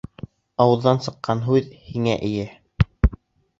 Ауыҙҙан сыҡҡан һүҙ һиңә эйә.